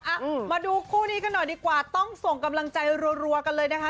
อ่ะมาดูคู่นี้กันหน่อยดีกว่าต้องส่งกำลังใจรัวกันเลยนะคะ